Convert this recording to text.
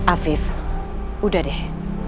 afif udah deh